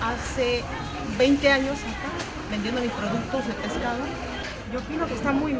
saya pikir ini sangat buruk ini adalah destruksi untuk semua spesies yang kita punya di sini